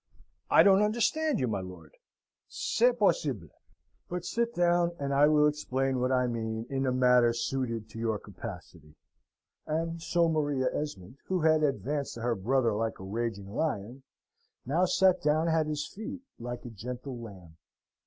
"I don't understand you, my lord." "C'est possible; but sit down, and I will explain what I mean in a manner suited to your capacity." And so Maria Esmond, who had advanced to her brother like a raging lion, now sate down at his feet like a gentle lamb.